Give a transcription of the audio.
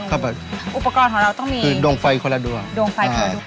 เข้าไปอุปกรณ์ของเราต้องมีคือดงไฟคอลลาดัวดงไฟคอลลาดู